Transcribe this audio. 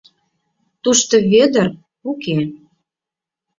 Тушто Вӧдыр уке.